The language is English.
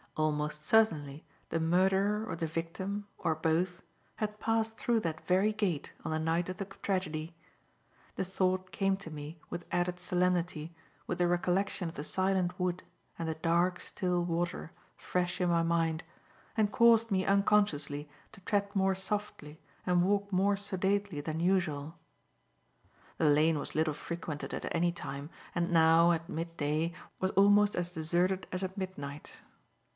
Almost certainly, the murderer or the victim or both, had passed through that very gate on the night of the tragedy. The thought came to me with added solemnity with the recollection of the silent wood and the dark, still water fresh in my mind, and caused me unconsciously to tread more softly and walk more sedately than usual. The lane was little frequented at any time and now, at mid day, was almost as deserted as at midnight.